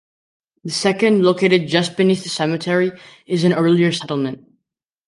The second, located just beneath the cemetery, is an earlier settlement.